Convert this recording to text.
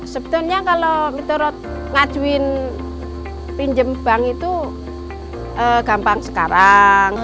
sebetulnya kalau ngajuin pinjem bank itu gampang sekarang